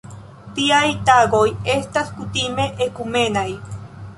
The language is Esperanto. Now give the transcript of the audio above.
Tiaj tagoj estas kutime ekumenaj.